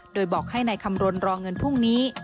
โดยบอกให้นายคำรณรอเงินพรุ่งนี้